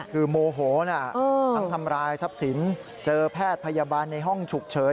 คือโมโหนะทั้งทำร้ายทรัพย์สินเจอแพทย์พยาบาลในห้องฉุกเฉิน